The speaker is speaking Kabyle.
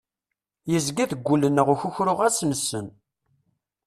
Yezga deg wul-nneɣ ukukru ɣas nessen.